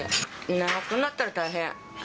なくなったら大変。